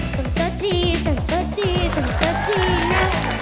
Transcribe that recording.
จริงจริงจริงจริงจริงนะ